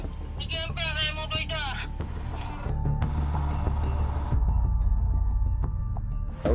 dikempel saya motor itu